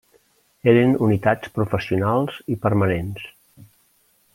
Eren unitats professionals i permanents.